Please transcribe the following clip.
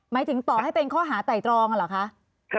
หมายถึงต่อให้เป็นข้อหาไต่ตรองเหรอคะ